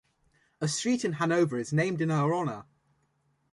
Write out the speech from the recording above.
A street in Hanover is named in her honor.